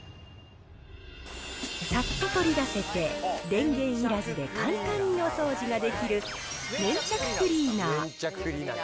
さっと取り出せて電源いらずで、簡単にお掃除ができる、粘着クリーナー。